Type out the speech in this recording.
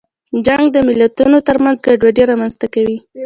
جنګ د ملتونو ترمنځ ګډوډي رامنځته کوي.